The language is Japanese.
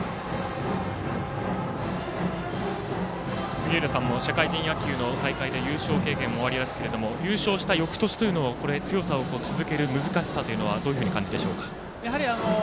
杉浦さんも社会人野球で優勝経験もおありですが優勝した翌年というのも強さを続ける難しさはどういうふうにお感じでしょうか。